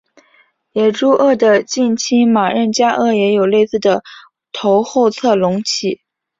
野猪鳄的近亲马任加鳄也有类似的头后侧隆起。